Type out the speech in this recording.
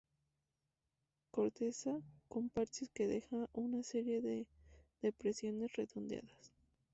Corteza con parches que dejan una serie de depresiones redondeadas.